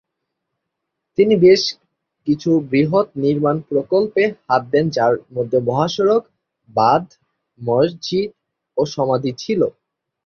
তিনি বেশ কিছু বৃহৎ নির্মাণ প্রকল্পে হাত দেন যার মধ্যে মহাসড়ক, বাধ, মসজিদ ও সমাধি ছিল।